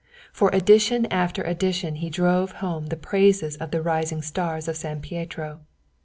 For edition after edition he drove home the praises of the rising stars of San Pietro.